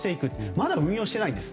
まだ運用していないんです。